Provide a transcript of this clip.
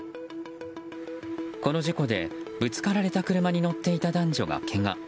この事故でぶつかられた車に乗っていた男女がけが。